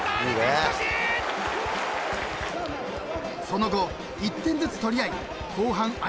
［その後１点ずつ取り合い］